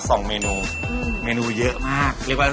สวัสดีครับ